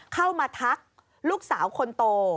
เข้ามาทักลูกสาวคนโต